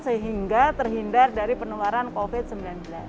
agar juga terhindar dari penularan covid sembilan belas